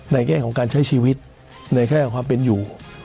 แง่ของการใช้ชีวิตในแง่ของความเป็นอยู่